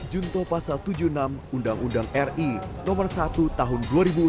junto pasal tujuh puluh enam undang undang ri nomor satu tahun dua ribu enam